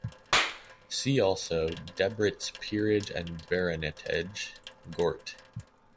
See also "Debrett's Peerage and Baronetage" - Gort.